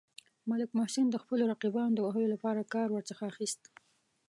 ملک محسن د خپلو رقیبانو د وهلو لپاره کار ورڅخه اخیست.